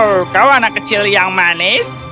oh kau anak kecil yang manis